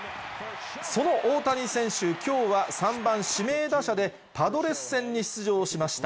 その大谷選手、きょうは３番指名打者で、パドレス戦に出場しました。